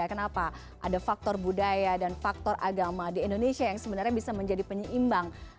kenapa ada faktor budaya dan faktor agama di indonesia yang sebenarnya bisa menjadi penyeimbang